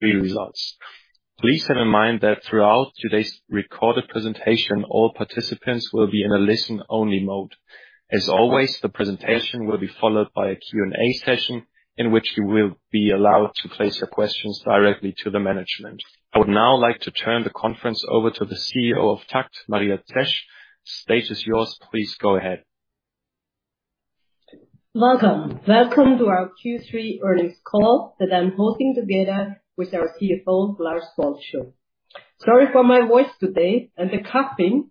[inaudible] results. Please have in mind that throughout today's recorded presentation, all participants will be in a listen-only mode. As always, the presentation will be followed by a Q&A session, in which you will be allowed to place your questions directly to the management. I would now like to turn the conference over to the CEO of TAKKT, Maria Zesch. The stage is yours. Please go ahead. Welcome. Welcome to our Q3 earnings call that I'm hosting together with our CFO, Lars Bolscho. Sorry for my voice today and the coughing,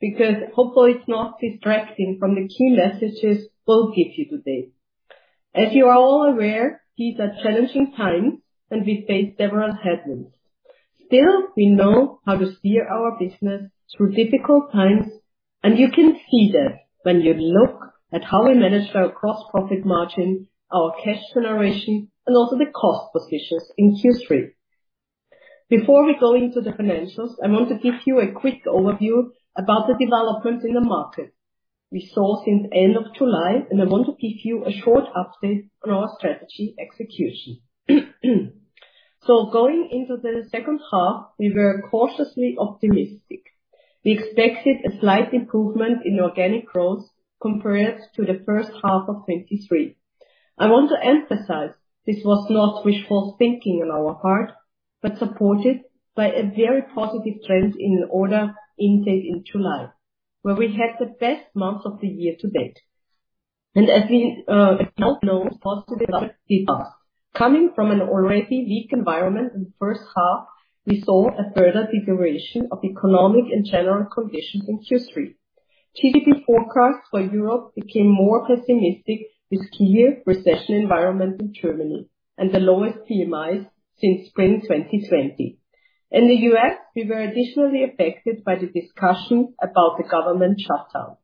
because hopefully it's not distracting from the key messages we'll give you today. As you are all aware, these are challenging times, and we face several headwinds. Still, we know how to steer our business through difficult times, and you can see that when you look at how we managed our gross profit margin, our cash generation, and also the cost positions in Q3. Before we go into the financials, I want to give you a quick overview about the developments in the market we saw since end of July, and I want to give you a short update on our strategy execution. So, going into the second half, we were cautiously optimistic. We expected a slight improvement in organic growth compared to the first half of 2023. I want to emphasize this was not wishful thinking on our part, but supported by a very positive trend in the order intake in July, where we had the best month of the year-to-date. And as [we well know], coming from an already weak environment in the first half, we saw a further deterioration of economic and general conditions in Q3. GDP forecasts for Europe became more pessimistic, with key recession environment in Germany and the lowest PMIs since spring 2020. In the US, we were additionally affected by the discussions about the government shutdown.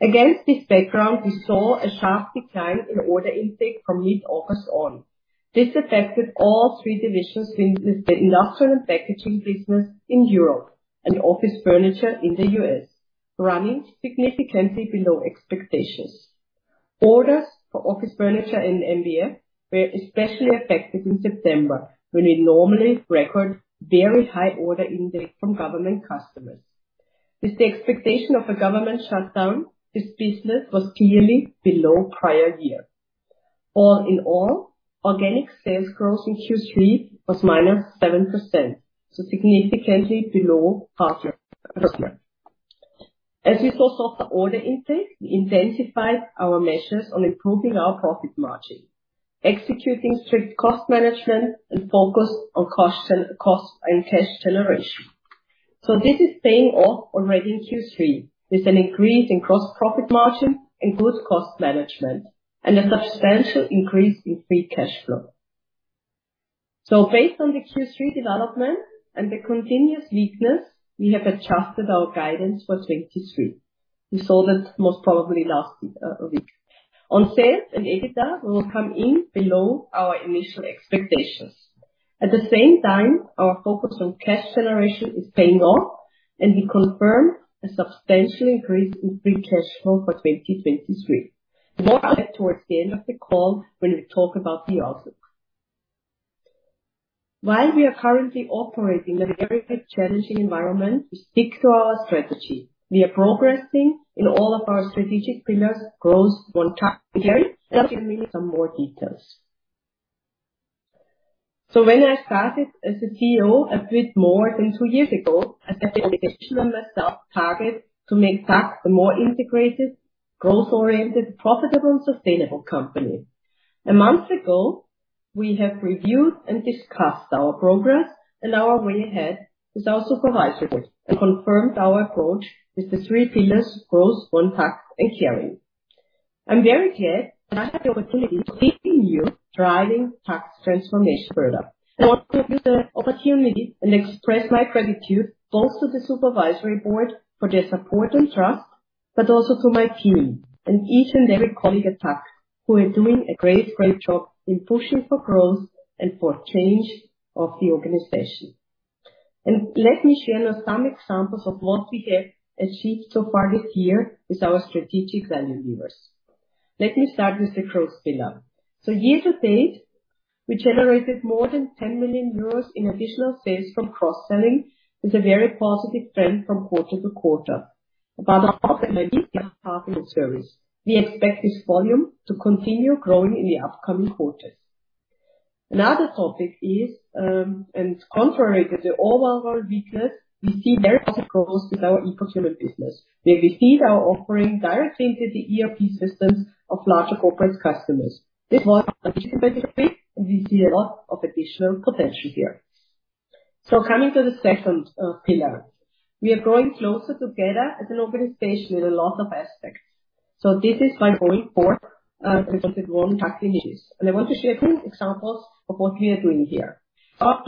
Against this background, we saw a sharp decline in order intake from mid-August on. This affected all three divisions, since the industrial and packaging business in Europe and office furniture in the U.S., running significantly below expectations. Orders for office furniture in NBF were especially affected in September, when we normally record very high order intake from government customers. With the expectation of a government shutdown, this business was clearly below prior year. All-in-all, organic sales growth in Q3 was -7%, so significantly below last year. As we saw softer order intake, we intensified our measures on improving our profit margin, executing strict cost management and focus on cost and cash generation. So this is paying off already in Q3, with an increase in gross profit margin and good cost management, and a substantial increase in free cash flow. So based on the Q3 development and the continuous weakness, we have adjusted our guidance for 2023. We saw that most probably last week. On sales and EBITDA, we will come in below our initial expectations. At the same time, our focus on cash generation is paying off, and we confirm a substantial increase in free cash flow for 2023. More towards the end of the call when we talk about the outlook. While we are currently operating in a very challenging environment, we stick to our strategy. We are progressing in all of our strategic pillars, growth, OneTAKKT, and caring. Now [will be giving] some more details. So when I started as a CEO a bit more than two years ago, I set expection on the target to make TAKKT a more integrated, growth-oriented, profitable, sustainable company. A month ago, we have reviewed and discussed our progress, and our way ahead with our supervisors and confirmed our approach with the three pillars: growth, OneTAKKT, and caring. I'm very glad that I have the opportunity [to briefing you] driving TAKKT's transformation further. I want to take the opportunity and express my gratitude, both to the supervisory board for their support and trust, but also to my team and each and every colleague at TAKKT, who are doing a great, great job in pushing for growth and for change of the organization. Let me share some examples of what we have achieved so far this year with our strategic value levers. Let me start with the growth pillar. So year-to-date, we generated more than 10 million euros in additional sales from cross-selling, with a very positive trend from quarter-to-quarter about [inaudible] half in the service. We expect this volume to continue growing in the upcoming quarters. Another topic is, and contrary to the overall weakness, we see very positive growth with our e-procurement business, where we see our offering directly into the ERP systems of larger corporate customers. This was [inaudible] and we see a lot of additional potential here. So coming to the second pillar, we are growing closer together as an organization in a lot of aspects. So this is my going forward with the OneTAKKT initiatives, and I want to share a few examples of what we are doing here. Our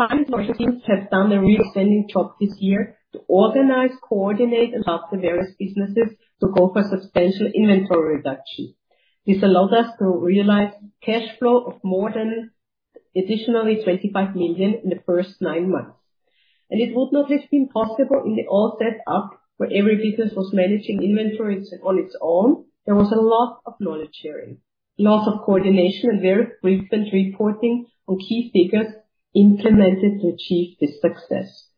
teams have done a really outstanding job this year to organize, coordinate, and help the various businesses to go for substantial inventory reduction. This allowed us to realize cash flow of more than additionally 25 million in the first nine months. It would not have been possible in the old set up, where every business was managing inventories on its own. There was a lot of knowledge sharing, lots of coordination, and very frequent reporting on key figures implemented to achieve this success.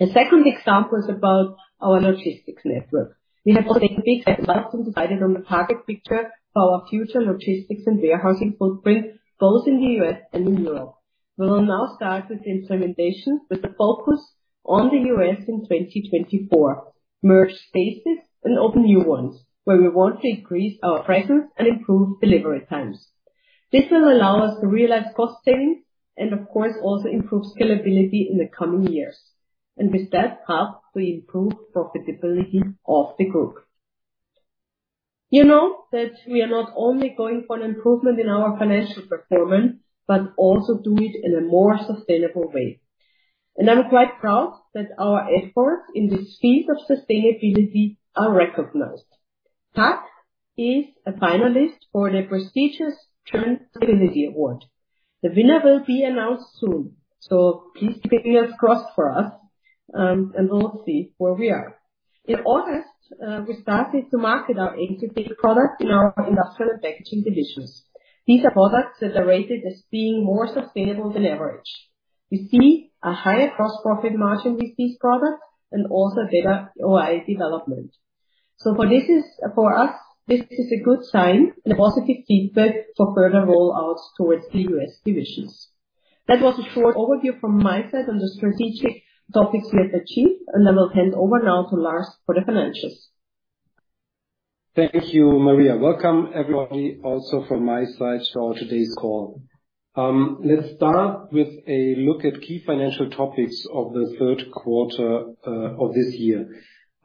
The second example is about our logistics network. We have taken a big step forward and provided on the target picture for our future logistics and warehousing footprint, both in the U.S. and in Europe. We will now start with the implementation, with a focus on the U.S. in 2024, merge spaces and open new ones, where we want to increase our presence and improve delivery times. This will allow us to realize cost savings and of course, also improve scalability in the coming years, and with that path, we improve profitability of the group. You know that we are not only going for an improvement in our financial performance, but also do it in a more sustainable way. I'm quite proud that our efforts in the sphere of sustainability are recognized. TAKKT is a finalist for the prestigious Transparency Award. The winner will be announced soon, so please keep your fingers crossed for us, and we'll see where we are. In August, we started to market our enkelfähig products in our industrial and packaging divisions. These are products that are rated as being more sustainable than average. We see a higher gross profit margin with these products and also better OI development. So for us, this is a good sign and a positive feedback for further rollouts towards the U.S .divisions. That was a short overview from my side on the strategic topics we have achieved, and I will hand over now to Lars for the financials. Thank you, Maria. Welcome, everybody, also from my side to our today's call. Let's start with a look at key financial topics of the third quarter of this year.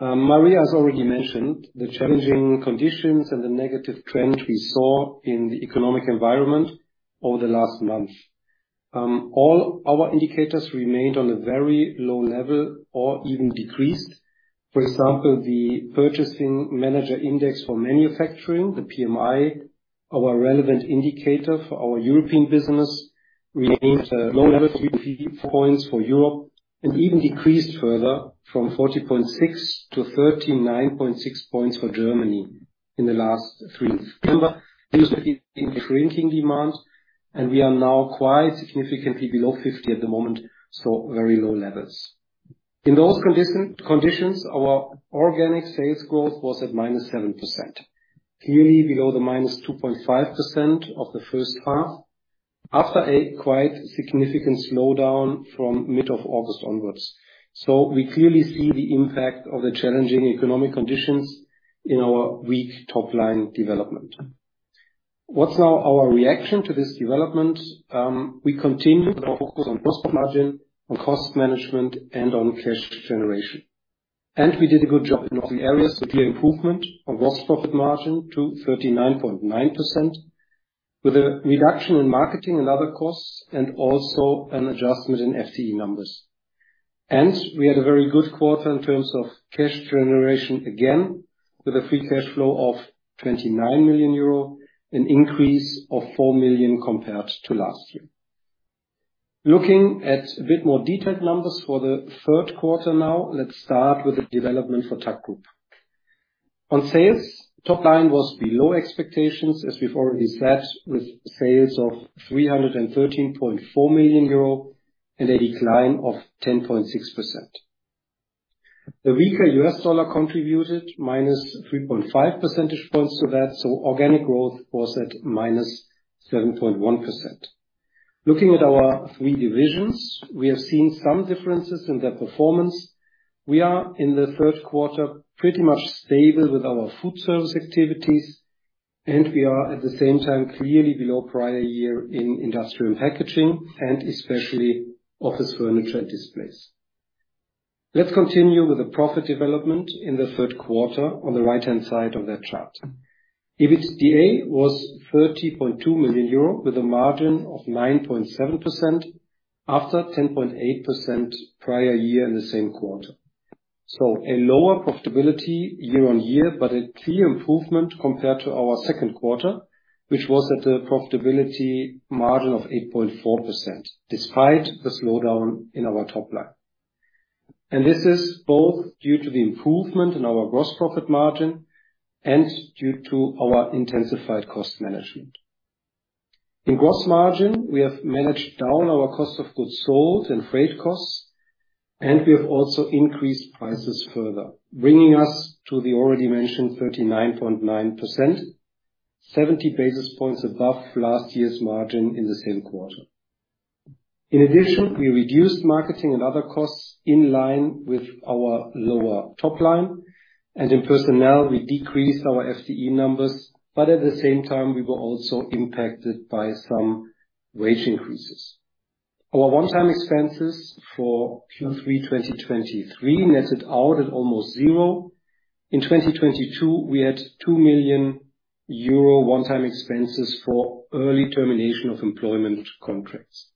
Maria has already mentioned the challenging conditions and the negative trend we saw in the economic environment over the last months. All our indicators remained on a very low level or even decreased. For example, the Purchasing Managers' Index for manufacturing, the PMI, our relevant indicator for our European business, remained at a low level [strategic] points for Europe, and even decreased further from 40.6 to 39.6 points for Germany in the last three [months]. September, this indicates shrinking demand, and we are now quite significantly below 50 at the moment, so very low levels. In those conditions, our organic sales growth was at -7%, clearly below the -2.5% of the first half, after a quite significant slowdown from mid of August onwards. So we clearly see the impact of the challenging economic conditions in our weak topline development. What's now our reaction to this development? We continue to focus on gross margin, on cost management, and on cash generation. And we did a good job in all the areas with the improvement of gross profit margin to 39.9%, with a reduction in marketing and other costs, and also an adjustment in FTE numbers. And we had a very good quarter in terms of cash generation, again, with a free cash flow of 29 million euro, an increase of 4 million compared to last year. Looking at a bit more detailed numbers for the third quarter now, let's start with the development for TAKKT Group. On sales, topline was below expectations, as we've already said, with sales of 313.4 million euro and a decline of 10.6%. The weaker US dollar contributed -3.5 percentage points to that, so organic growth was at -7.1%. Looking at our three divisions, we have seen some differences in their performance. We are, in the third quarter, pretty much stable with our food service activities, and we are, at the same time, clearly below prior year in industrial packaging and especially office furniture and displays. Let's continue with the profit development in the third quarter on the right-hand side of that chart. EBITDA was EUR 30.2 million, with a margin of 9.7%, after 10.8% prior year in the same quarter. So a lower profitability year-on-year, but a clear improvement compared to our second quarter, which was at a profitability margin of 8.4%, despite the slowdown in our topline. And this is both due to the improvement in our gross profit margin and due to our intensified cost management. In gross margin, we have managed down our cost of goods sold and freight costs, and we have also increased prices further, bringing us to the already mentioned 39.9%, 70 basis points above last year's margin in the same quarter. In addition, we reduced marketing and other costs in line with our lower topline, and in personnel, we decreased our FTE numbers, but at the same time, we were also impacted by some wage increases. Our one-time expenses for Q3 2023 netted out at almost zero. In 2022, we had 2 million euro one-time expenses for early termination of employment contracts.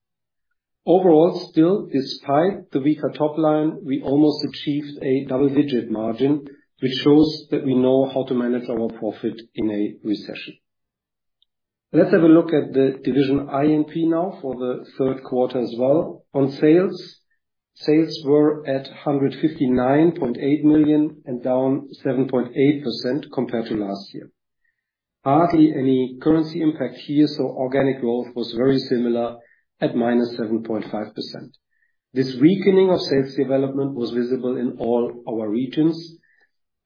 Overall, still, despite the weaker topline, we almost achieved a double-digit margin, which shows that we know how to manage our profit in a recession. Let's have a look at the division I&P now for the third quarter as well. On sales, sales were at 159.8 million, and down 7.8% compared to last year. Hardly any currency impact here, so organic growth was very similar at -7.5%. This weakening of sales development was visible in all our regions,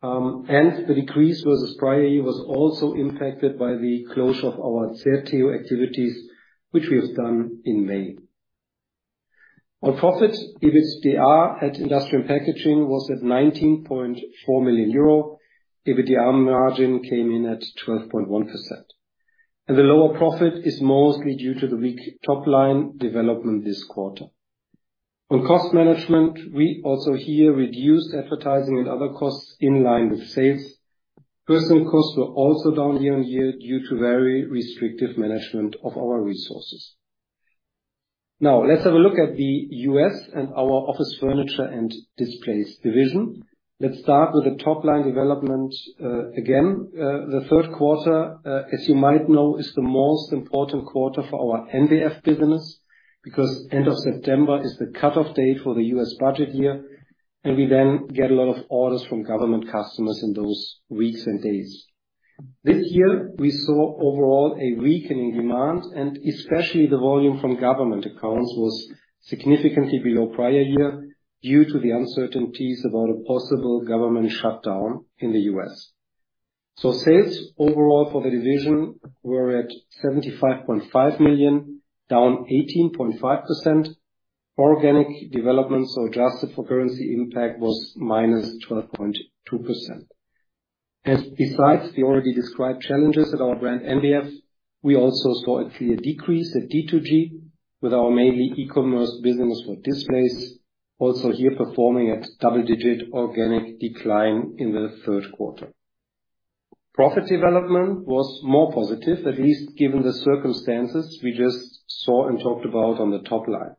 and the decrease versus prior year was also impacted by the closure of our Certeo activities, which we have done in May. On profit, EBITDAR at Industrial & Packaging was at 19.4 million euro. EBITDAR margin came in at 12.1%, and the lower profit is mostly due to the weak topline development this quarter. On cost management, we also here reduced advertising and other costs in line with sales. Personal costs were also down year-on-year due to very restrictive management of our resources. Now, let's have a look at the U.S. and our Office Furniture & Displays division. Let's start with the topline development. Again, the third quarter, as you might know, is the most important quarter for our NBF business, because end of September is the cut-off date for the U.S. budget year, and we then get a lot of orders from government customers in those weeks and days. This year, we saw overall a weakening demand, and especially the volume from government accounts was significantly below prior year due to the uncertainties about a possible government shutdown in the U.S. So sales overall for the division were at 75.5 million, down 18.5%. Organic development, so adjusted for currency impact, was -12.2%. And besides the already described challenges at our brand NBF, we also saw a clear decrease at D2G, with our mainly e-commerce business for displays also here performing at double-digit organic decline in the third quarter. Profit development was more positive, at least given the circumstances we just saw and talked about on the topline.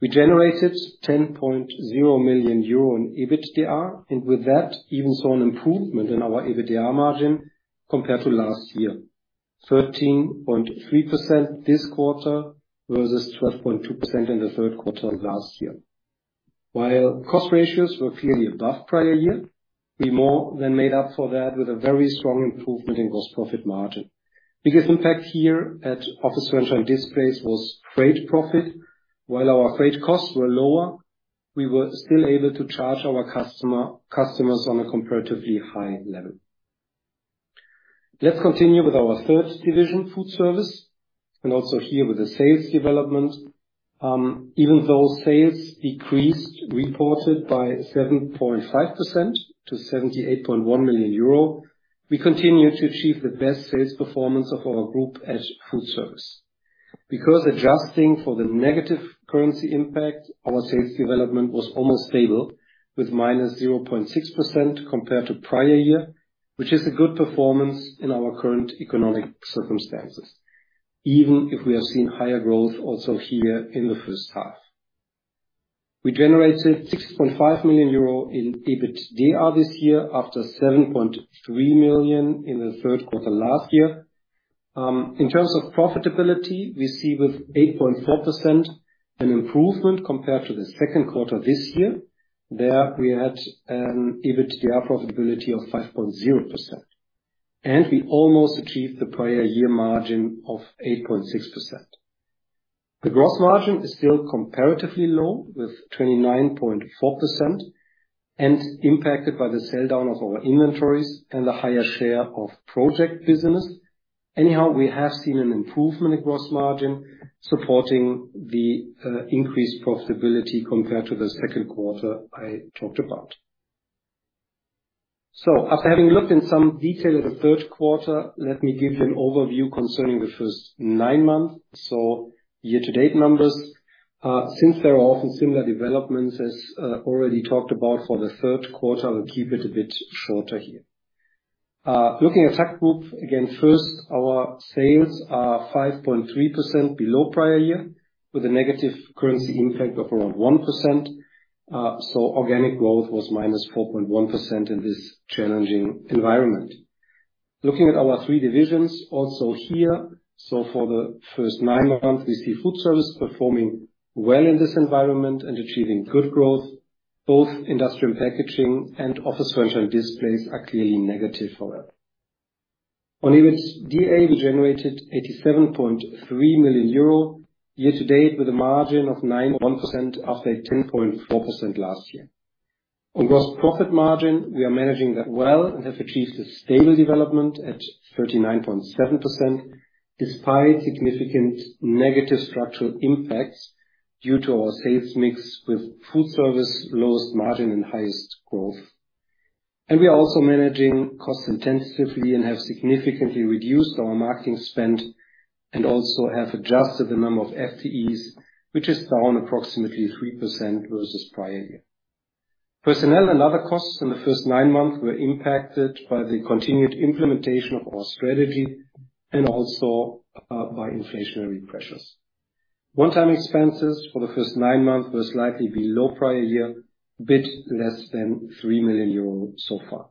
We generated 10.0 million euro in EBITDAR, and with that, even saw an improvement in our EBITDAR margin compared to last year. 13.3% this quarter, versus 12.2% in the third quarter of last year. While cost ratios were clearly above prior year, we more than made up for that with a very strong improvement in gross profit margin. Biggest impact here at office furniture and displays was freight profit. While our freight costs were lower, we were still able to charge our customers on a comparatively high level. Let's continue with our third division, food service, and also here with the sales development. Even though sales decreased, reported by 7.5% to 78.1 million euro, we continued to achieve the best sales performance of our group at food service. Because adjusting for the negative currency impact, our sales development was almost stable, with -0.6% compared to prior year, which is a good performance in our current economic circumstances, even if we have seen higher growth also here in the first half. We generated 6.5 million euro in EBITDAR this year, after 7.3 million in the third quarter last year. In terms of profitability, we see with 8.4% an improvement compared to the second quarter this year. There, we had EBITDAR profitability of 5.0%, and we almost achieved the prior year margin of 8.6%. The gross margin is still comparatively low, with 29.4%, and impacted by the sell-down of our inventories and the higher share of project business. Anyhow, we have seen an improvement in gross margin, supporting the increased profitability compared to the second quarter I talked about. So after having looked in some detail at the third quarter, let me give you an overview concerning the first nine months, so year-to-date numbers. Since there are often similar developments as already talked about for the third quarter, I will keep it a bit shorter here. Looking at [sales book], again first, our sales are 5.3% below prior year, with a negative currency impact of around 1%. So organic growth was -4.1% in this challenging environment. Looking at our three divisions also here, so for the first nine months, we see food service performing well in this environment and achieving good growth. Both industrial & packaging and office furniture and displays are clearly negative for that. On EBITDAR, we generated 87.3 million euro year-to-date, with a margin of 9.1%, after a 10.4% last year. On gross profit margin, we are managing that well and have achieved a stable development at 39.7%, despite significant negative structural impacts due to our sales mix with food service, lowest margin and highest growth. And we are also managing costs intensively and have significantly reduced our marketing spend, and also have adjusted the number of FTEs, which is down approximately 3% versus prior year. Personnel and other costs in the first nine months were impacted by the continued implementation of our strategy and also by inflationary pressures. One-time expenses for the first nine months were slightly below prior year, a bit less than 3 million euros so far.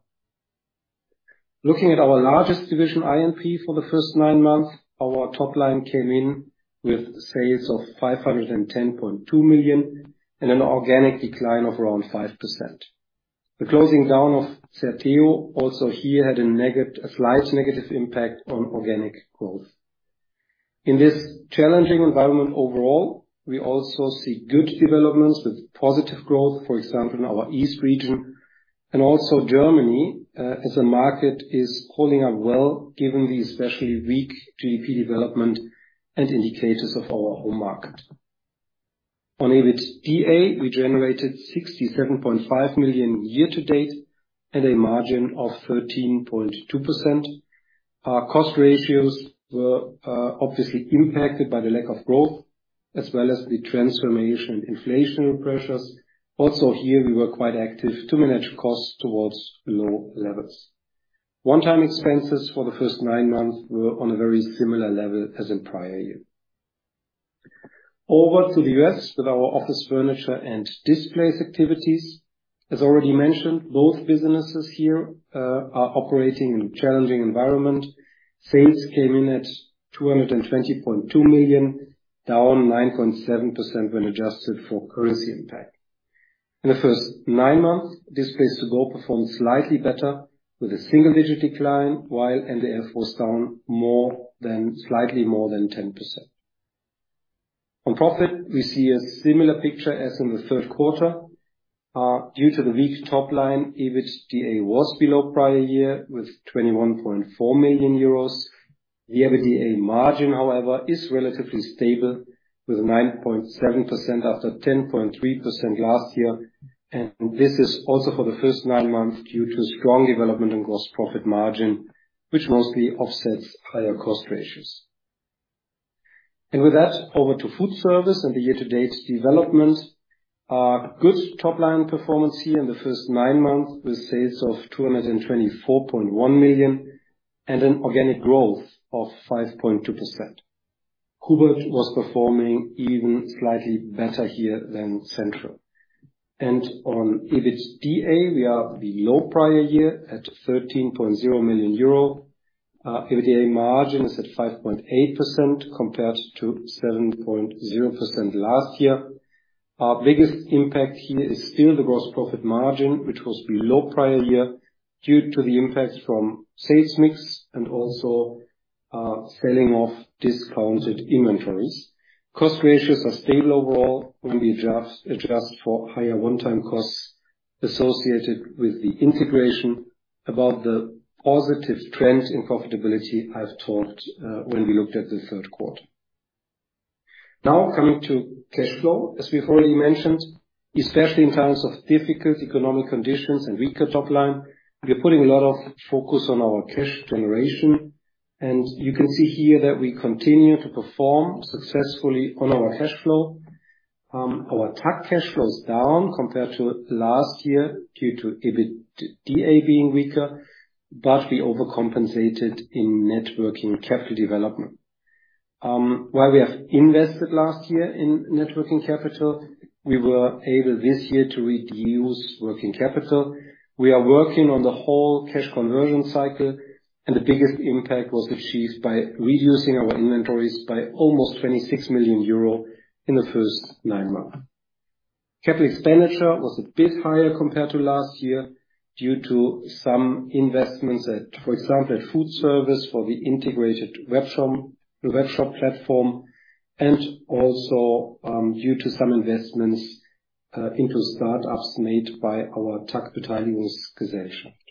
Looking at our largest division, I&P, for the first nine months, our topline came in with sales of 510.2 million, and an organic decline of around 5%. The closing down of Certeo also here had a slight negative impact on organic growth. In this challenging environment overall, we also see good developments with positive growth, for example, in our East region, and also Germany, as a market, is holding up well, given the especially weak GDP development and indicators of our home market. On EBITDA, we generated 67.5 million year-to-date at a margin of 13.2%. Our cost ratios were obviously impacted by the lack of growth, as well as the transformation inflation pressures. Also, here, we were quite active to manage costs towards low levels. One-time expenses for the first nine months were on a very similar level as in prior year. Over to the U.S., with our office furniture and displays activities, as already mentioned, both businesses here are operating in a challenging environment. Sales came in at 220.2 million, down 9.7% when adjusted for currency impact. In the first nine months, Displays2go performed slightly better with a single-digit decline, while NBF was down slightly more than 10%. On profit, we see a similar picture as in the third quarter. Due to the weak topline, EBITDA was below prior year with 21.4 million euros. The EBITDA margin, however, is relatively stable, with 9.7% after 10.3% last year, and this is also for the first nine months, due to strong development in gross profit margin, which mostly offsets higher cost ratios. With that, over to food service and the year-to-date development. Our goods topline performance here in the first nine months, with sales of 224.1 million, and an organic growth of 5.2%. Hubert was performing even slightly better here than Central. On EBITDA, we are below prior year at 13.0 million euro. Our EBITDA margin is at 5.8%, compared to 7.0% last year. Our biggest impact here is still the gross profit margin, which was below prior year due to the impact from sales mix and also selling off discounted inventories. Cost ratios are stable overall when we adjust, adjust for higher one-time costs associated with the integration. About the positive trends in profitability, I've talked when we looked at the third quarter. Now, coming to cash flow. As we've already mentioned, especially in times of difficult economic conditions and weaker topline, we are putting a lot of focus on our cash generation, and you can see here that we continue to perform successfully on our cash flow. Our tax cash flow is down compared to last year, due to EBITDA being weaker, but we overcompensated in net working capital development. While we have invested last year in net working capital, we were able this year to reduce working capital. We are working on the whole cash conversion cycle, and the biggest impact was achieved by reducing our inventories by almost 26 million euro in the first nine months. Capital expenditure was a bit higher compared to last year, due to some investments at, for example, food service for the integrated webshop platform, and also due to some investments into startups made by our TAKKT Beteiligungsgesellschaft.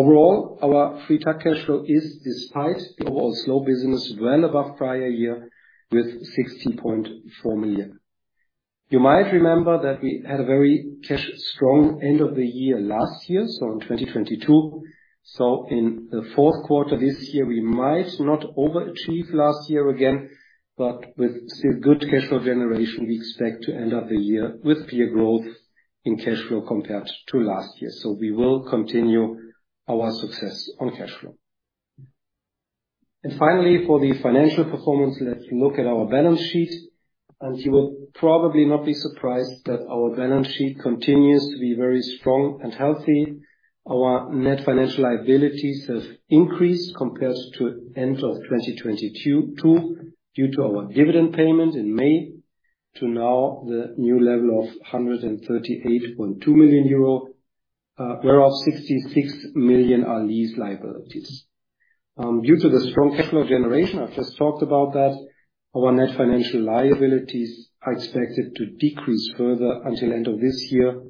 Overall, our free cash flow is, despite the overall slow business, well above prior year with 60.4 million. You might remember that we had a very cash-strong end of the year last year, so in 2022. So in the fourth quarter this year, we might not overachieve last year again, but with still good cash flow generation, we expect to end up the year with clear growth in cash flow compared to last year. So we will continue our success on cash flow. And finally, for the financial performance, let's look at our balance sheet. And you will probably not be surprised that our balance sheet continues to be very strong and healthy. Our net financial liabilities have increased compared to end of 2022 due to our dividend payment in May, to now the new level of 138.2 million euro, whereas 66 million are lease liabilities. Due to the strong cash flow generation, I've just talked about that, our net financial liabilities are expected to decrease further until end of this year,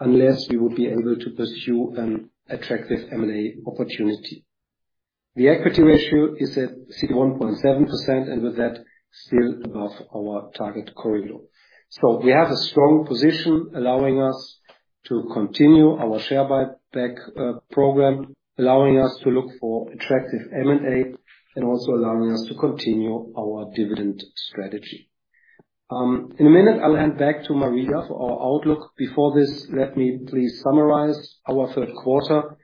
unless we will be able to pursue an attractive M&A opportunity. The equity ratio is at [61.7%], and with that, still above our target corridor. So we have a strong position, allowing us to continue our share buyback program, allowing us to look for attractive M&A, and also allowing us to continue our dividend strategy. In a minute, I'll hand back to Maria for our outlook. Before this, let me please summarize our third quarter.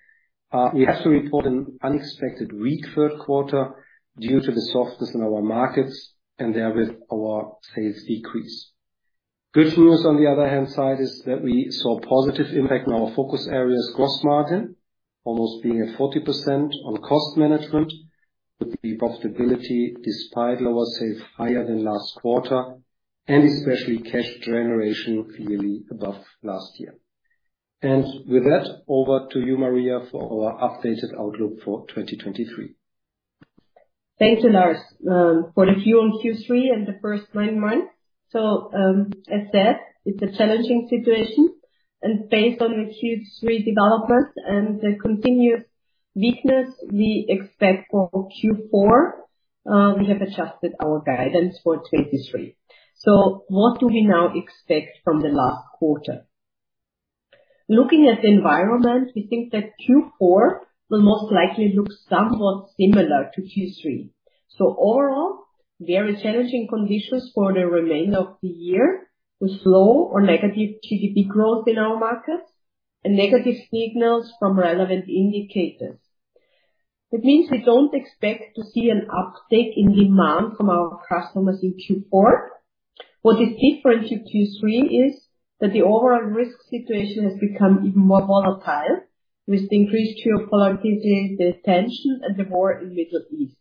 We have to report an unexpected weak third quarter due to the softness in our markets and therewith our sales decrease. Good news, on the other hand side, is that we saw positive impact in our focus areas, gross margin almost being at 40% on cost management, with the profitability despite lower sales higher than last quarter, and especially cash generation clearly above last year. And with that, over to you, Maria, for our updated outlook for 2023. Thanks, Lars, for the view on Q3 and the first nine months. So, as said, it's a challenging situation, and based on the Q3 development and the continued weakness we expect for Q4, we have adjusted our guidance for 2023. So what do we now expect from the last quarter? Looking at the environment, we think that Q4 will most likely look somewhat similar to Q3. So overall, very challenging conditions for the remainder of the year, with slow or negative GDP growth in our markets and negative signals from relevant indicators. That means we don't expect to see an uptick in demand from our customers in Q4. What is different to Q4 is that the overall risk situation has become even more volatile, with increased geopolitical tension and the war in Middle East.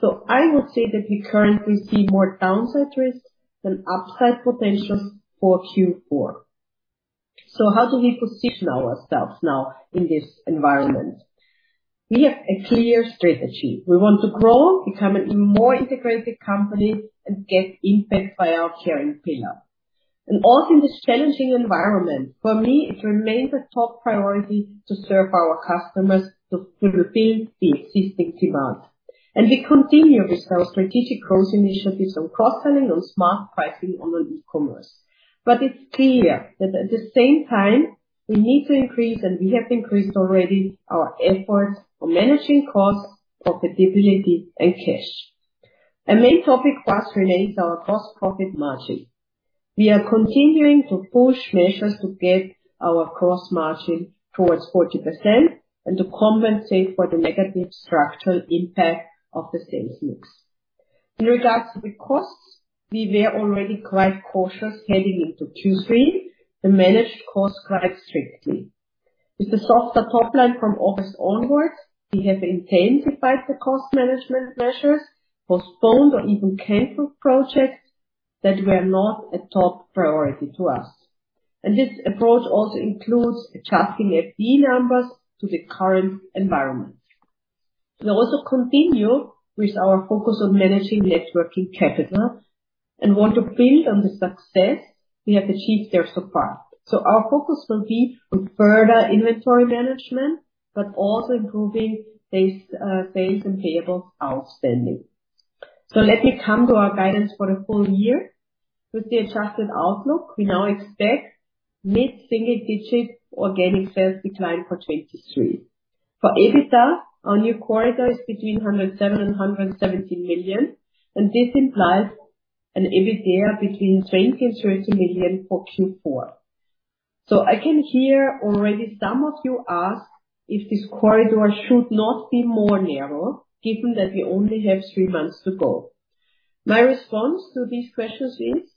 So I would say that we currently see more downside risks than upside potential for Q4. So how do we position ourselves now in this environment? We have a clear strategy. We want to grow, become a more integrated company, and get impact by our caring pillar. And also in this challenging environment, for me, it remains a top priority to serve our customers, to fulfill the existing demand. And we continue with our strategic growth initiatives on cross-selling, on smart pricing, and on e-commerce. But it's clear that at the same time, we need to increase, and we have increased already, our efforts on managing costs, profitability, and cash. A main topic for us remains our gross profit margin. We are continuing to push measures to get our gross margin towards 40% and to compensate for the negative structural impact of the sales mix. In regards to the costs, we were already quite cautious heading into Q3, and managed costs quite strictly. With the softer topline from August onwards, we have intensified the cost management measures, postponed or even canceled projects that were not a top priority to us. This approach also includes adjusting FTE numbers to the current environment. We also continue with our focus on managing net working capital and want to build on the success we have achieved there so far. Our focus will be on further inventory management, but also improving days sales and payables outstanding. Let me come to our guidance for the full year. With the adjusted outlook, we now expect mid-single-digit organic sales decline for 2023. For EBITDA, our new corridor is between 107 million and 117 million, and this implies an EBITDAR between [17 million and 20 million] for Q4. So I can hear already some of you ask if this corridor should not be more narrow, given that we only have three months to go. My response to these questions is,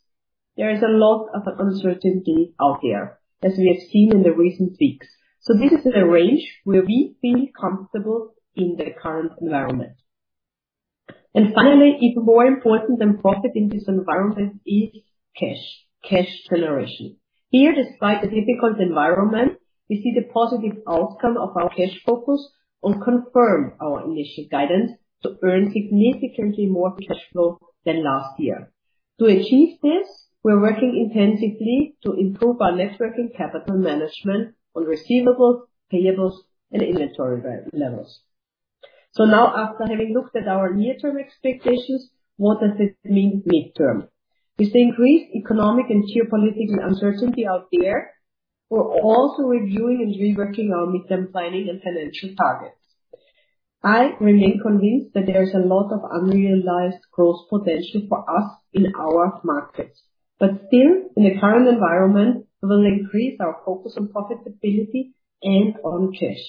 there is a lot of uncertainty out there, as we have seen in the recent weeks. So this is the range where we feel comfortable in the current environment. And finally, even more important than profit in this environment is cash generation. Here, despite the difficult environment, we see the positive outcome of our cash focus and confirm our initial guidance to earn significantly more cash flow than last year. To achieve this, we're working intensively to improve our net working capital management on receivables, payables, and inventory levels. So now, after having looked at our near-term expectations, what does this mean mid-term? With the increased economic and geopolitical uncertainty out there, we're also reviewing and reworking our mid-term planning and financial targets. I remain convinced that there is a lot of unrealized growth potential for us in our markets, but still, in the current environment, we will increase our focus on profitability and on cash.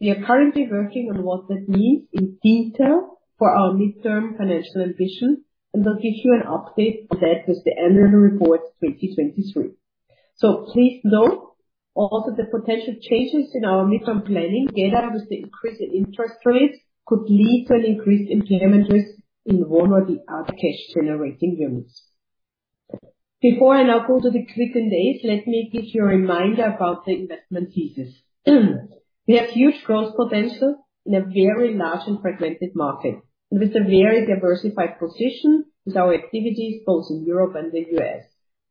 We are currently working on what that means in detail for our mid-term financial ambition, and we'll give you an update on that with the annual report 2023. So please note also the potential changes in our mid-term planning, together with the increase in interest rates, could lead to an increased impairment risk in one or the other cash generating units. Before I now go to the [Q&As], let me give you a reminder about the investment thesis. We have huge growth potential in a very large and fragmented market, and with a very diversified position with our activities both in Europe and the U.S.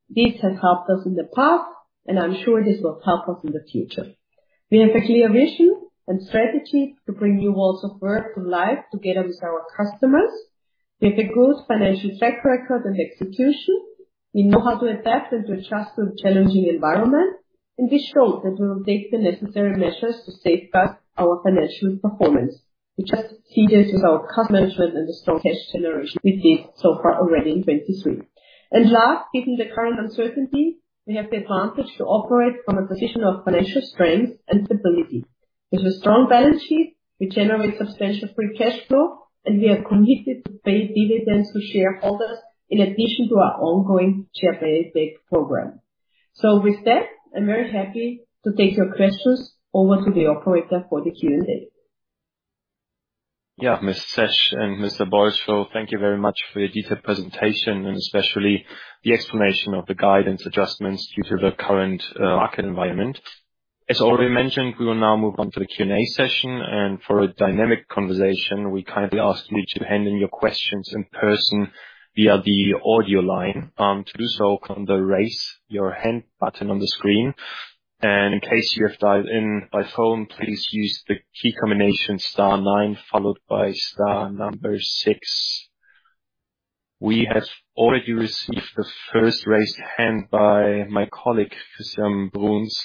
This has helped us in the past, and I'm sure this will help us in the future. We have a clear vision and strategy to bring new worlds of work to life together with our customers. We have a good financial track record and execution. We know how to adapt and to adjust to a challenging environment and we have shown that we will take the necessary measures to safeguard our financial performance, which has seen this with our cost management and the strong cash generation we did so far already in 2023. And last, given the current uncertainty, we have the advantage to operate from a position of financial strength and stability. With a strong balance sheet, we generate substantial free cash flow, and we are committed to pay dividends to shareholders in addition to our ongoing share benefit program. So, with that, I'm very happy to take your questions. Over to the operator for the Q&A. Yeah, Ms. Zesch and Mr. Bolscho, thank you very much for your detailed presentation and especially the explanation of the guidance adjustments due to the current market environment. As already mentioned, we will now move on to the Q&A session, and for a dynamic conversation, we kindly ask you to hand in your questions in person via the audio line. To do so, click on the Raise-Your-Hand button on the screen, and in case you have dialed in by phone, please use the key combination star nine followed by star number six. We have already received the first raised hand by my colleague, Christian Bruns.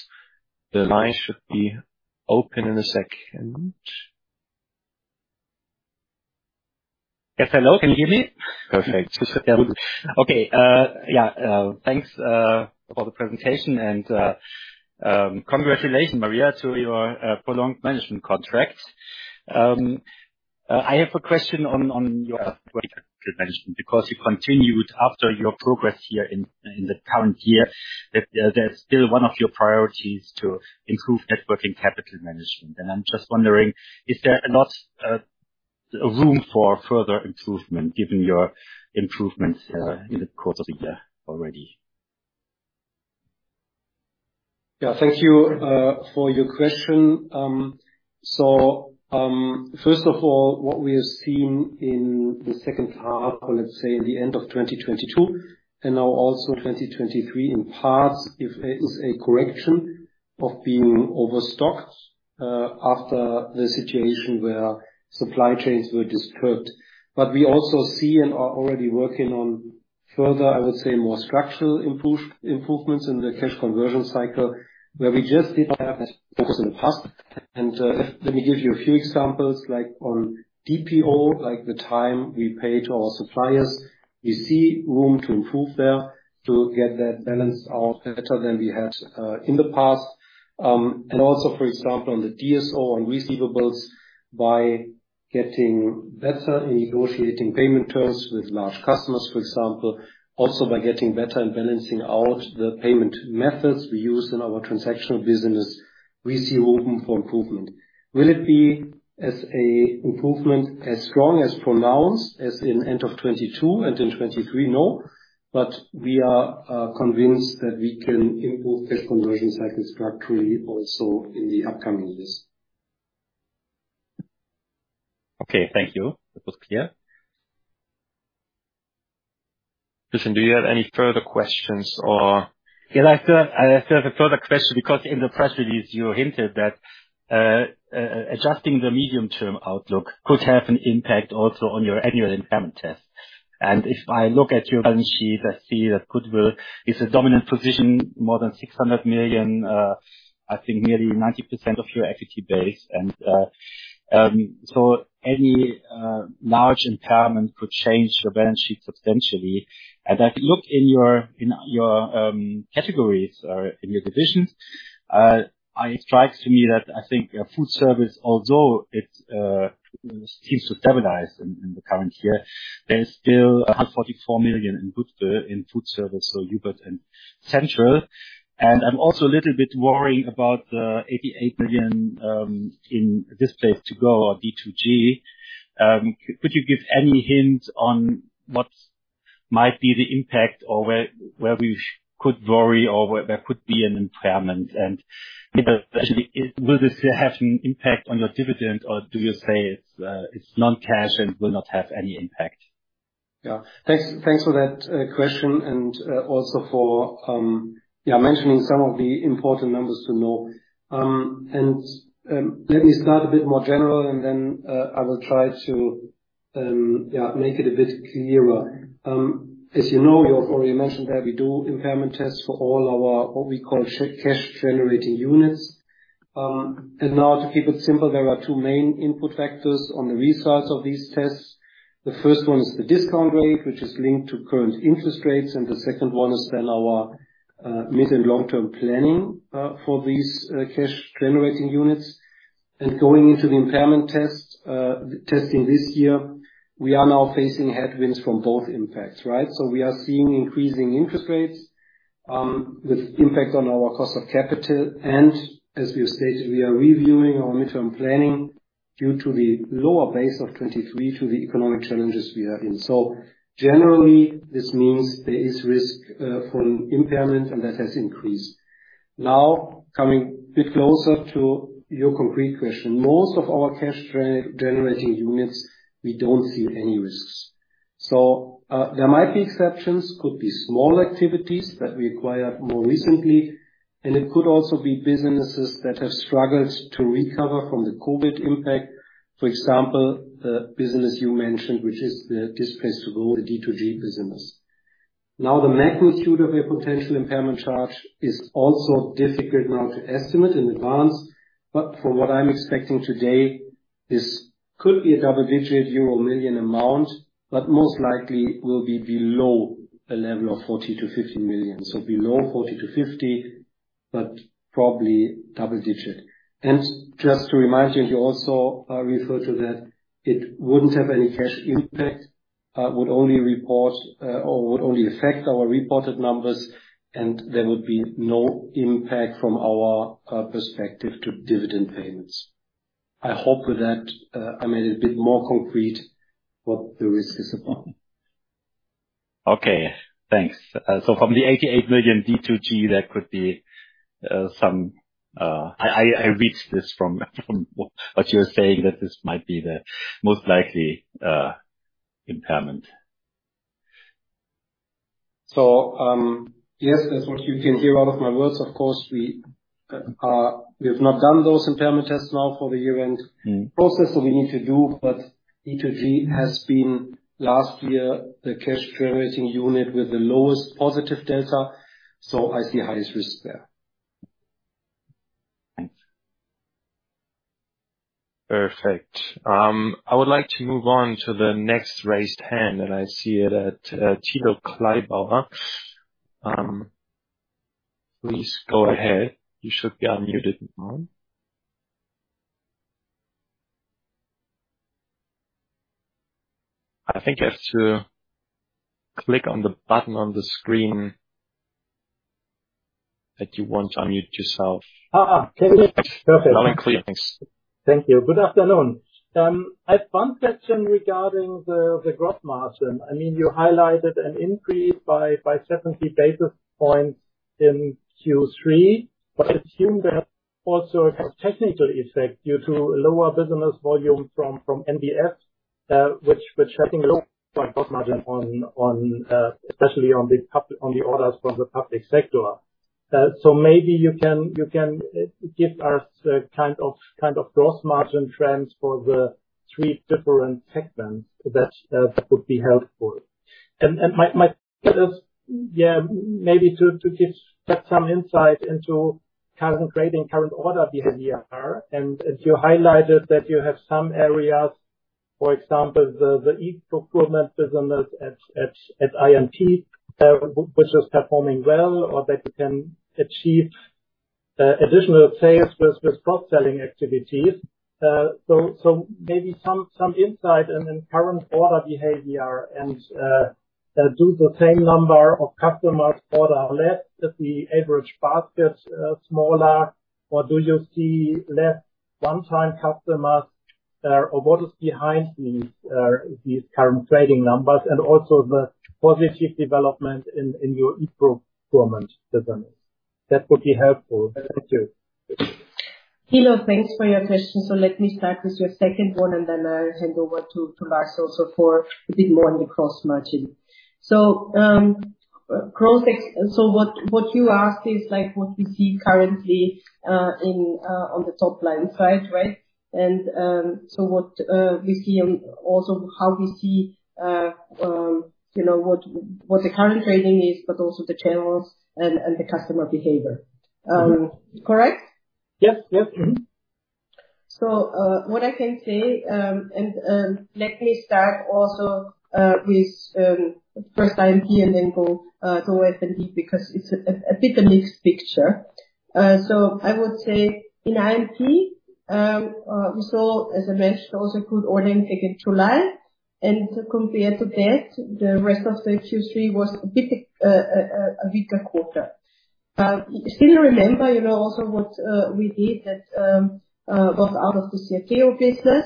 The line should be open in a second. Yes, hello. Can you hear me? Perfect. Okay, thanks for the presentation, and congratulations, Maria, to your prolonged management contract. I have a question on your management, because you continued after your progress here in the current year, that's still one of your priorities, to improve net working capital management. And I'm just wondering, is there not room for further improvement, given your improvements in the course of the year already? Yeah, thank you for your question. So, first of all, what we have seen in the second half, or let's say the end of 2022, and now also 2023 in parts, if it is a correction of being overstocked after the situation where supply chains were disturbed. But we also see and are already working on further, I would say, more structural improvements in the cash conversion cycle, where we just did have in the past. And let me give you a few examples, like on DPO, like the time we pay to our suppliers, we see room to improve there to get that balance out better than we had in the past. And also, for example, on the DSO on receivables, by getting better in negotiating payment terms with large customers, for example, also by getting better in balancing out the payment methods we use in our transactional business, we see room for improvement. Will it be as an improvement, as strong as pronounced as in end of 2022 and in 2023? No, but we are convinced that we can improve cash conversion cycle structurally also in the upcoming years. Okay, thank you. That was clear. Christian, do you have any further questions or...? Yeah, I have a further question, because in the press release, you hinted that adjusting the medium-term outlook could have an impact also on your annual impairment test. And if I look at your balance sheet, I see that [inaudible] is a dominant position, more than 600 million, I think nearly 90% of your equity base. And so any large impairment could change your balance sheet substantially. As I look in your categories or in your divisions, it strikes me that I think food service, although it seems to stabilize in the current year, there is still 144 million goodwill in food service, so Hubert and Central. And I'm also a little bit worried about the 88 million in Displays2go or D2G. Could you give any hint on what might be the impact or where we could worry or where there could be an impairment? And, you know, actually, will this have an impact on the dividend or do you say it's non-cash and will not have any impact? Yeah. Thanks, thanks for that question and also for yeah, mentioning some of the important numbers to know. And let me start a bit more general, and then I will try to make it a bit clearer. As you know, you already mentioned that we do impairment tests for all our, what we call, cash-generating units. And now to keep it simple, there are two main input factors on the results of these tests. The first one is the discount rate, which is linked to current interest rates, and the second one is then our mid- and long-term planning for these cash-generating units. And going into the impairment testing this year, we are now facing headwinds from both impacts, right? So we are seeing increasing interest rates with impact on our cost of capital, and as we have stated, we are reviewing our midterm planning due to the lower base of 2023 through the economic challenges we are in. So generally, this means there is risk from impairment, and that has increased. Now, coming a bit closer to your [concrete] question, most of our cash generating units, we don't see any risks. So there might be exceptions, could be small activities that we acquired more recently, and it could also be businesses that have struggled to recover from the COVID impact. For example, the business you mentioned, which is the Displays2go, the D2G business. Now, the magnitude of a potential impairment charge is also difficult now to estimate in advance, but from what I'm expecting today, this could be a double-digit euro million amount, but most likely will be below a level of 40 million-50 million. So below 40-50, but probably double-digit. And just to remind you, you also refer to that it wouldn't have any cash impact, would only report, or would only affect our reported numbers, and there would be no impact from our perspective to dividend payments. I hope with that, I made it a bit more concrete what the risk is about. Okay, thanks. So from the 88 million D2G, there could be some... I read this from what you're saying, that this might be the most likely impairment. Yes, that's what you can hear out of my words. Of course, we have not done those impairment tests now for the year-end. Mm. process that we need to do, but D2G has been last year, the cash generating unit with the lowest positive delta, so I see highest risk there. Thanks. Perfect. I would like to move on to the next raised hand, and I see it at Thilo Kleibauer. Please go ahead. You should be unmuted now. I think you have to click on the button on the screen, that you want to unmute yourself. Okay. Can you hear? Loud and clear. Thanks. Thank you. Good afternoon. I have one question regarding the gross margin. I mean, you highlighted an increase by 70 basis points in Q3, but I assume there are also a technical effect due to lower business volume from NBF, which I think has low gross margin on, especially on the orders from the public sector. So maybe you can give us a kind of gross margin trends for the three different segments. That would be helpful. And my just, yeah, maybe to give that some insight into current trading, current order behavior, and you highlighted that you have some areas, for example, the e-procurement business at I&P, which is performing well, or that you can achieve additional sales with cross-selling activities. So maybe some insight into current order behavior and do the same number of customers ,order less if the average basket smaller, or do you see less one-time customers, or what is behind these current trading numbers and also the positive development in your e-procurement business? That would be helpful. Thank you. Thilo, thanks for your question. So let me start with your second one, and then I'll hand over to Lars also for a bit more on the cross-margin. So, what you ask is like what we see currently in on the topline, right? And, so what we see and also how we see, you know, what the current trading is, but also the channels and the customer behavior. Correct? Yes, yes. Mm-hmm. What I can say, let me start also with first I&P and then &P ahead with it, because it's a bit a mixed picture. I would say in I&P, we saw, as I mentioned, also good order intake in July, and compared to that, the rest of the Q3 was a bit a weaker quarter. Still remember, you know, also what we did that, both out of the [inaudible] business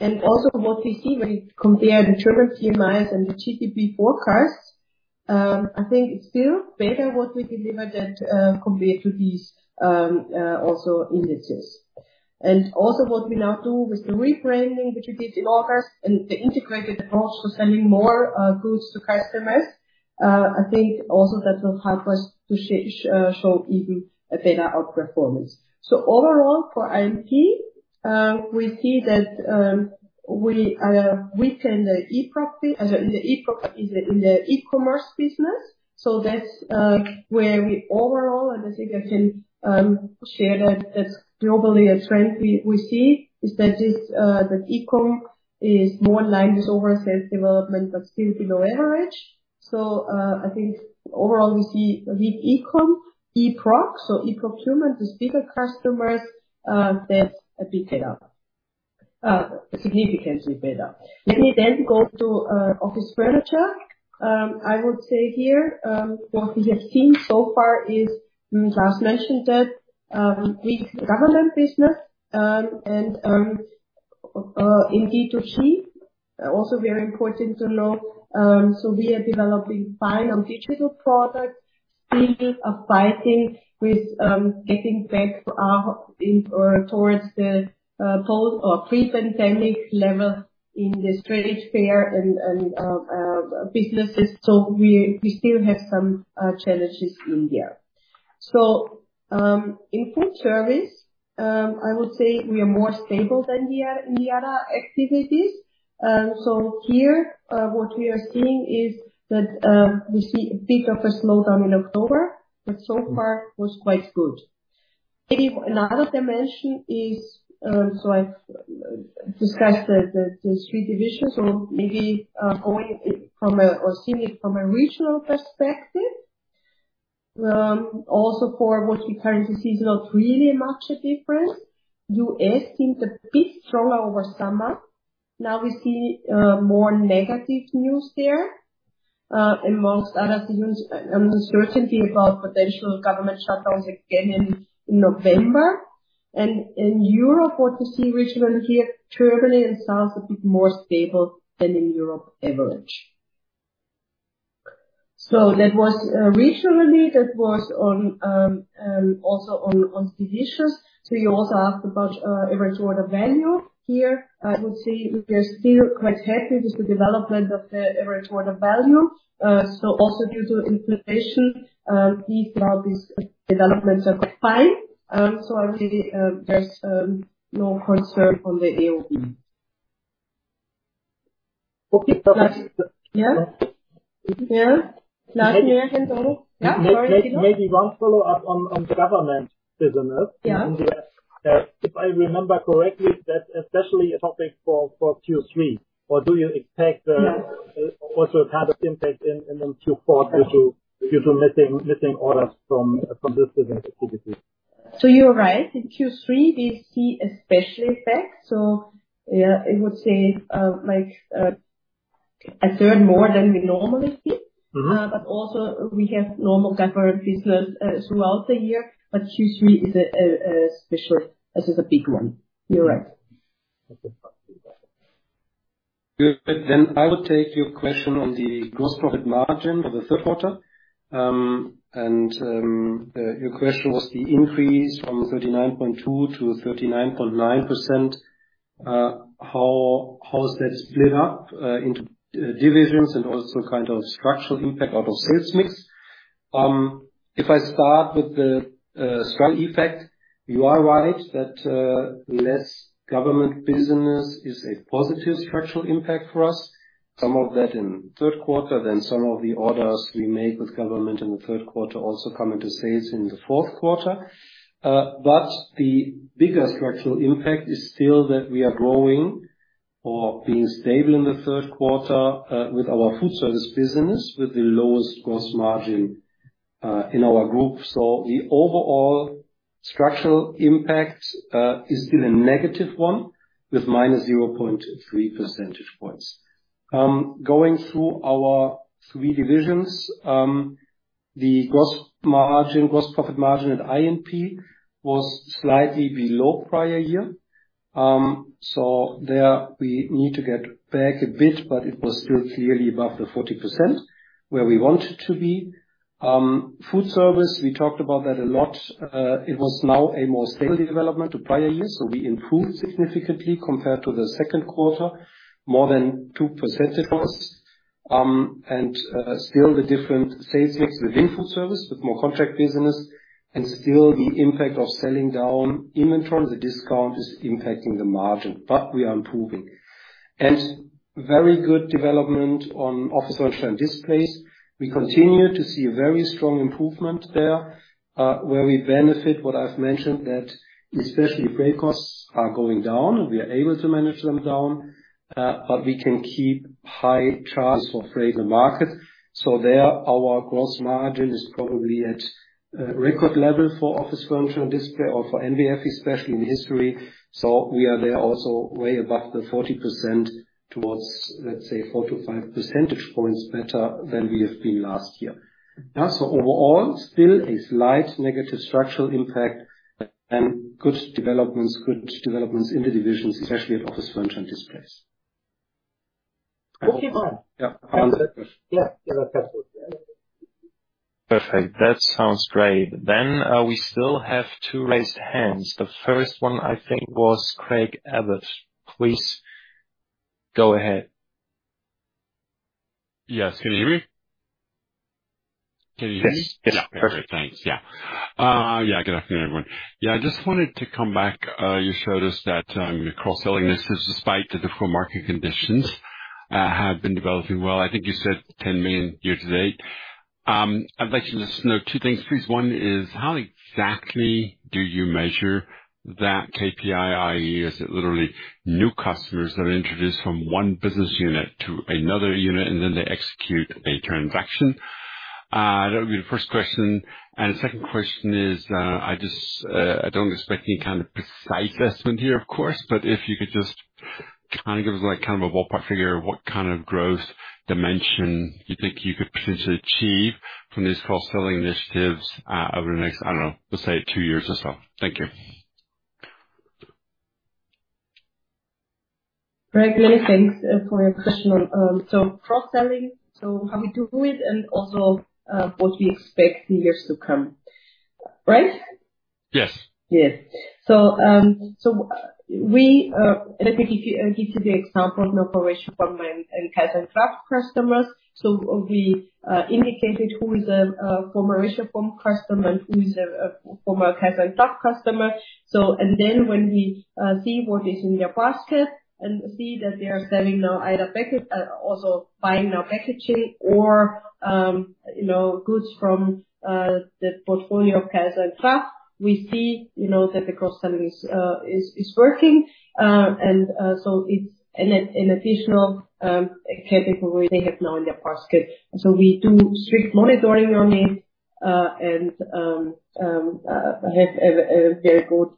and also what we see when you compare the current TMIs and the TTP forecasts, I think it's still better what we delivered at, compared to these, also indices. And also, what we now do with the reframing, which we did in August, and the integrated approach to selling more goods to customers, I think also that will help us to show even a better outperformance. So overall, for I&P, we see that we weaken the eProc in the e-commerce business. So that's where we overall, and I think I can share that, that globally a trend we see is that it's that eCom is more in line with overseas development, but still below average. So, I think overall, we see with eCom, eProc, so eProcurement is bigger customers, that's a bit better, significantly better. Let me then go to office furniture. I would say here, what we have seen so far is, Lars mentioned that, with government business, and in D2G, also very important to know, so we are developing [fine on] digital products, still are fighting with getting back in or towards the goal or pre-pandemic level in the [strategic fair] and businesses. So we still have some challenges in there. So, in food service, I would say we are more stable than the other activities. So here, what we are seeing is that we see a bit of a slowdown in October, but so far it was quite good. Maybe another dimension is, so I've discussed the three divisions, so maybe going from a or seeing it from a regional perspective. Also, for what we currently see is not really much a difference. U.S. seemed a bit stronger over summer. Now we see more negative news there, and most other things, uncertainty about potential government shutdowns again in November. And in Europe, what we see regionally here, Germany and South, a bit more stable than in Europe average. So that was regionally, that was on, also on divisions. So you also asked about average order value. Here, I would say we are still quite happy with the development of the average order value. So also due to inflation, these developments are quite fine. So I would say, there's no concern from the AOV. Okay. Yeah? Yeah. [inaudible] Maybe one follow-up on government business. Yeah. If I remember correctly, that's especially a topic for Q3. Or do you expect also a kind of impact in the Q4 due to missing orders from this business basically? So you are right. In Q3, we see a special effect, so yeah, I would say, like, a third more than we normally see. Mm-hmm. But also we have normal government business throughout the year, but Q3 is a special. This is a big one. You're right. Good. Then I will take your question on the gross profit margin for the third quarter. And, your question was the increase from 39.2% to 39.9%, how is that split up into divisions and also kind of structural impact out of sales mix? If I start with the strong effect, you are right that less government business is a positive structural impact for us. Some of that in third quarter, then some of the orders we made with government in the third quarter also come into sales in the fourth quarter. But the bigger structural impact is still that we are growing or being stable in the third quarter with our food service business, with the lowest gross margin in our group. So the overall structural impact is still a negative one, with minus 0.3 percentage points. Going through our three divisions, the gross margin, gross profit margin at I&P was slightly below prior year. So there we need to get back a bit, but it was still clearly above the 40% where we wanted to be. Food service, we talked about that a lot. It was now a more stable development to prior years, so we improved significantly compared to the second quarter, more than 2 percentage points. And still the different sales mix within food service, with more contract business, and still the impact of selling down inventory, the discount is impacting the margin, but we are improving. And very good development on office furniture and displays. We continue to see a very strong improvement there, where we benefit, what I've mentioned, that especially freight costs are going down. We are able to manage them down, but we can keep high charges for freight in the market. So there, our gross margin is probably at record level for office furniture and displays or for NBF, especially in history. So we are there also way above the 40% towards, let's say, 4-5 percentage points better than we have been last year. Thus, overall, still a slight negative structural impact and good developments, good developments in the divisions, especially at office furniture and displays. Okay, fine. Yeah. Yeah, yeah, that's good. Perfect. That sounds great. Then, we still have two raised hands. The first one, I think, was Craig Abbott. Please go ahead. Yes. Can you hear me? Yes. Yes. Perfect. Thanks. Yeah. Good afternoon, everyone. Yeah, I just wanted to come back. You showed us that your cross-selling business, despite the difficult market conditions, have been developing well. I think you said 10 million year-to-date. I'd like to just know two things, please. One is, how exactly do you measure that KPI, i.e., is it literally new customers that are introduced from one business unit to another unit, and then they execute a transaction? That would be the first question. The second question is, I just, I don't expect any kind of precise estimate here, of course, but if you could just kind of give us, like, kind of a ballpark figure, what kind of growth dimension you think you could potentially achieve from these cross-selling initiatives, over the next, I don't know, let's say two years or so? Thank you. Great. Many thanks for your question. So cross-selling, so how we do it, and also what we expect in years to come. Right? Yes. Yes. So, let me give you the example of an operation from my in KAISER+KRAFT customers. So we indicated who is a former [inaudible] customer and who is a former KAISER+KRAFT customer. So and then when we see what is in their basket and see that they are selling now either package also buying now packaging or, you know, goods from the portfolio of KAISER+KRAFT, we see, you know, that the cross-selling is working. And so it's an additional category they have now in their basket. So we do strict monitoring on it and have a very good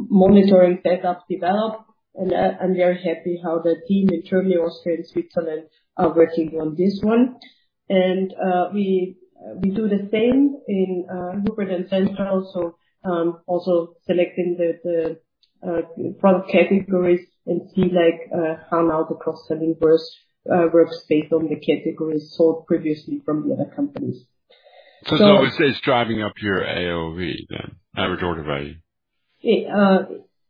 monitoring setup developed. And I'm very happy how the team internally, Austria and Switzerland, are working on this one. And, we do the same in Hubert and Central, so, also selecting the product categories and see, like, how now the cross-selling works based on the categories sold previously from the other companies. I would say it's driving up your AOV then, average order value?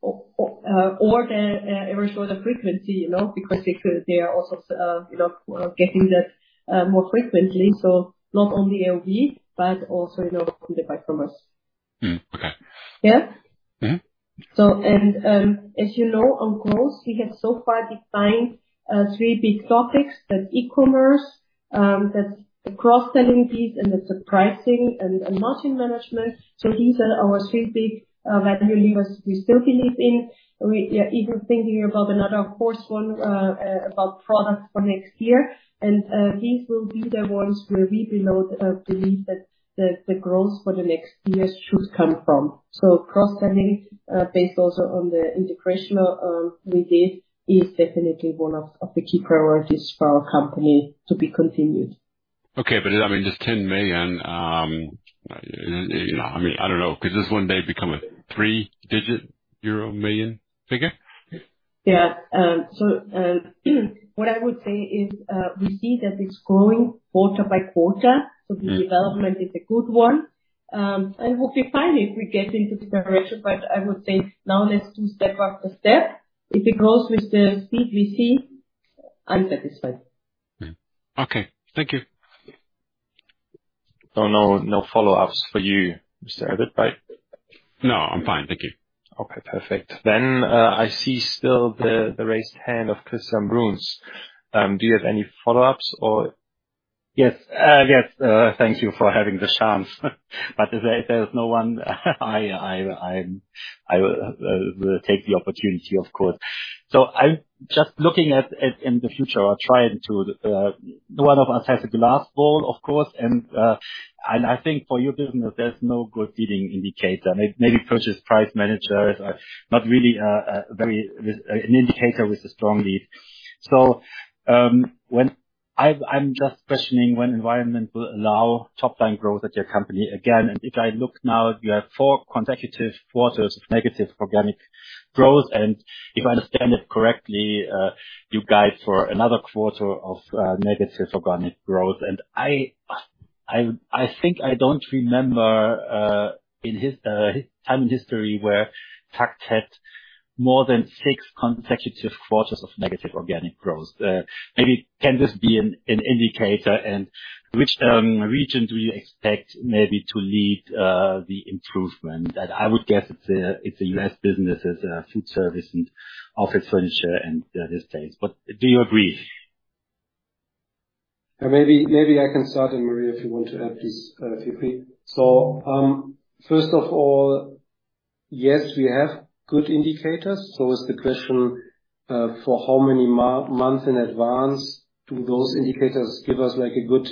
Or the average order frequency, you know, because they could, they are also, you know, getting that more frequently, so not only AOV, but also, you know, from the customers. Mm. Okay. Yeah? Mm-hmm. So, as you know, on growth, we have so far defined three big topics. There's e-commerce, there's the cross-selling piece, and there's the pricing and margin management. So these are our three big value levers we still believe in. We, yeah, even thinking about another fourth one, about products for next year. And these will be the ones where we believe that the growth for the next years should come from. So cross-selling, based also on the integration we did, is definitely one of the key priorities for our company to be continued. Okay, but, I mean, just 10 million, you know, I mean, I don't know. Could this one day become a three-digit euro million figure? Yeah. So, what I would say is, we see that it's growing quarter-by-quarter. Mm. So the development is a good one. And we'll be fine if we get into double digit, but I would say now let's do step-after-step. If it grows with the speed we see, I'm satisfied. Okay. Thank you. So, no follow-ups for you, Mr. Abbott, right? No, I'm fine. Thank you. Okay, perfect. Then, I see still the raised hand of Christian Bruns. Do you have any follow-ups or? Yes. Thank you for having the chance. But if there's no one, I will take the opportunity, of course. So I'm just looking at in the future or trying to, no one of us has a glass ball, of course, and I think for your business, there's no good leading indicator. Maybe purchasing managers are not really vary with an indicator with a strong lead. So, when I've, I'm just questioning when environment will allow topline growth at your company again, and if I look now, you have four consecutive quarters of negative organic growth. And if I understand it correctly, you guide for another quarter of negative organic growth. I think I don't remember in this time in history where TAKKT had more than six consecutive quarters of negative organic growth. Maybe this can be an indicator, and which region do you expect maybe to lead the improvement? That I would guess it's the U.S. business's food service and office furniture, and this space. But do you agree? Maybe I can start, and Maria, if you want to add, please, if you please. So, first of all, yes, we have good indicators. So it's the question for how many months in advance do those indicators give us like a good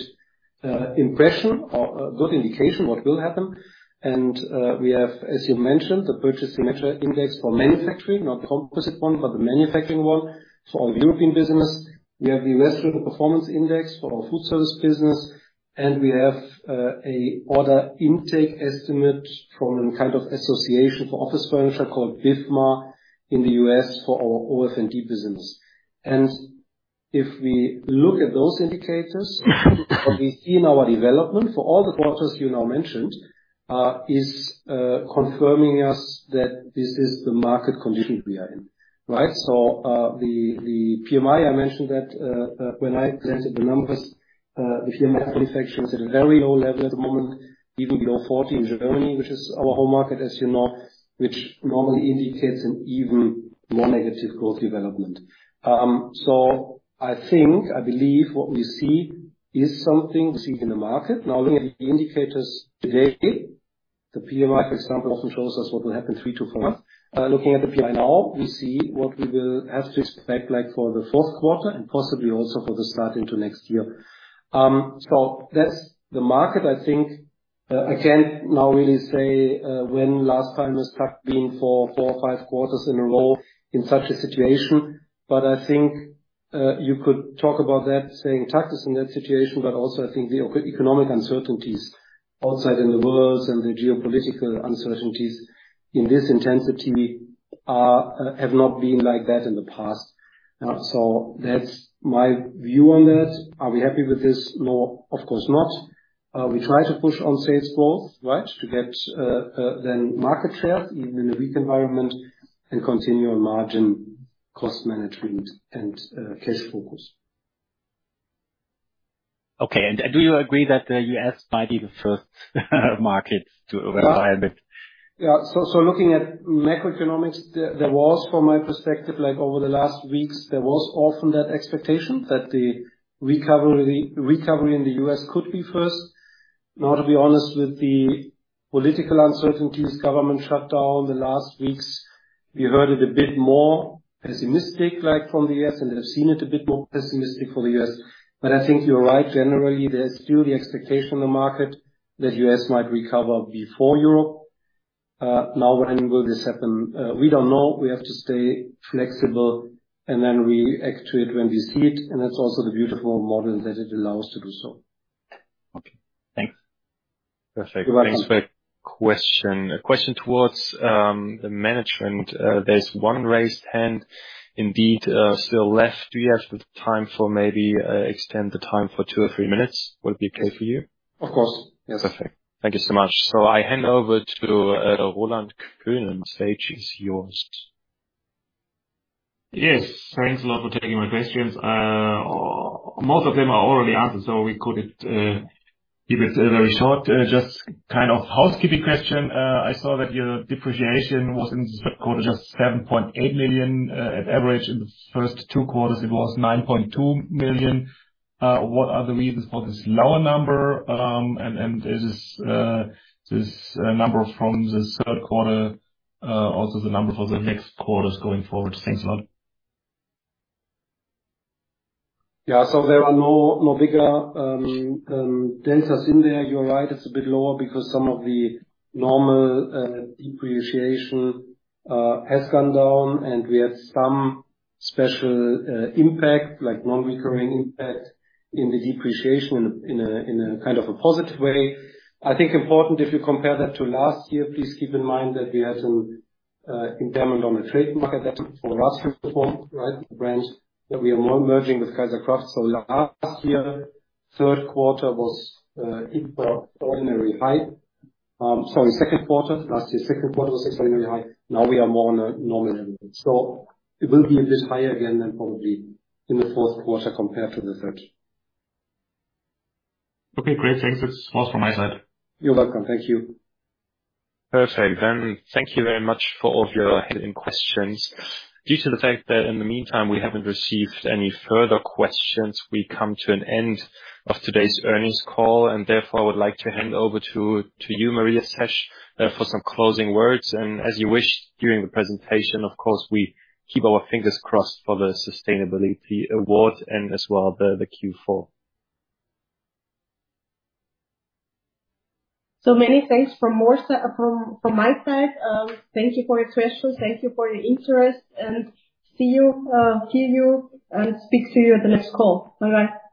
impression or a good indication what will happen? And, we have, as you mentioned, the Purchasing Managers' Index for manufacturing, not the composite one, but the manufacturing one. For our European business, we have the U.S. Retailers Performance Index for our food service business, and we have, an order intake estimate from a kind of association for office furniture called BIFMA in the U.S. for our OF&D business. And if we look at those indicators, what we see in our development, for all the quarters you now mentioned is confirming us that this is the market condition we are in, right? So, the PMI, I mentioned that, when I presented the numbers, the PMI manufacturing is at a very low level at the moment, even below 40 in Germany, which is our home market, as you know, which normally indicates an even more negative growth development. So I think, I believe what we see is something we see in the market. Now, looking at the indicators today, the PMI, for example, also shows us what will happen in [3-4 months]. Looking at the PMI now, we see what we will have to expect like for the fourth quarter and possibly also for the start into next year. So that's the market. I think I can't now really say when last time was TAKKT being 4 or 5 quarters in a row in such a situation, but I think you could talk about that, saying TAKKT is in that situation. But also, I think the economic uncertainties outside in the world and the geopolitical uncertainties in this intensity have not been like that in the past. So that's my view on that. Are we happy with this? No, of course not. We try to push on sales growth, right? To get then market share, even in a weak environment, and continue on margin, cost management, and cash focus. Okay. And do you agree that the U.S. might be the first market to recover a bit? Yeah. So looking at macroeconomics, there was, from my perspective, like over the last weeks, there was often that expectation that the recovery in the U.S. could be first. Now, to be honest, with the political uncertainties, government shutdowns, and the last weeks we heard it a bit more pessimistic, like from the U.S., and have seen it a bit more pessimistic for the U.S. But I think you're right. Generally, there's still the expectation in the market that U.S. might recover before Europe. Now, when will this happen? We don't know. We have to stay flexible, and then we react to it when we see it, and that's also the beautiful model, that it allows us to do so. Okay, thanks. Perfect. [Regarding the question], question towards the management. There's one raised hand indeed still left. Do you have the time for maybe extend the time for two or three minutes? Would it be okay for you? Of course. Yes. Perfect. Thank you so much. So I hand over to [Roland Könen]. The stage is yours. Yes. Thanks a lot for taking my questions. Most of them are already answered, so we could keep it very short. Just kind of housekeeping question. I saw that your depreciation was in this third quarter, just 7.8 million. At average in the first two quarters, it was 9.2 million. What are the reasons for this lower number? And is this number from this third quarter also the number for the next quarters going forward? Thanks a lot. Yeah, so there are no bigger adjustments in there. You're right, it's a bit lower because some of the normal depreciation has gone down, and we had some special impact, like non-recurring impact, in the depreciation in a kind of a positive way. I think important, if you compare that to last year, please keep in mind that we had some impairment on the [Certeo] for last fiscal? Brands that we are now merging with KAISER+KRAFT. So last year, third quarter was extraordinarily high. Sorry, second quarter, last year's second quarter was extraordinarily high. Now we are more on a normal level. So it will be a bit higher again than probably in the fourth quarter compared to the third. Okay, great. Thanks. That's all from my side. You're welcome. Thank you. Perfect. Thank you very much for all of your questions. Due to the fact that in the meantime we haven't received any further questions, we come to an end of today's earnings call, and therefore, I would like to hand over to you, Maria Zesch, for some closing words. As you wished during the presentation, of course, we keep our fingers crossed for the Sustainability Award and as well the Q4. Many thanks from my side. Thank you for your questions, thank you for your interest, and see you and speak to you at the next call. Bye-bye.